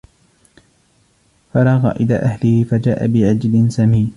فراغ إلى أهله فجاء بعجل سمين